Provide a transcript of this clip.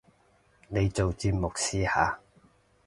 你做節目試下